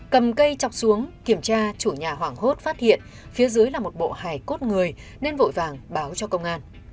cầm cây chọc xuống kiểm tra chủ nhà hoảng hốt phát hiện phía dưới là một bộ hài cốt người nên vội vàng báo cho công an